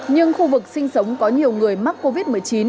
nhưng khu vực sinh sống có nhiều người mắc covid một mươi chín